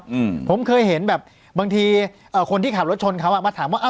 อืมผมเคยเห็นแบบบางทีเอ่อคนที่ขับรถชนเขาอ่ะมาถามว่าอ้าว